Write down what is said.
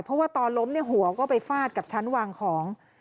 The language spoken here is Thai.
เพราะว่าตอนล้มเนี่ยหัวก็ไปฟาดกับชั้นวางของ